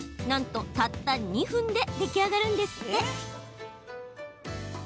なんとたった２分で出来上がるんですって。